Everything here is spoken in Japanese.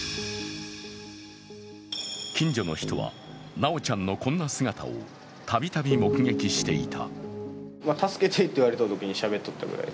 近所の人は、修ちゃんのこんな姿を度々目撃していた。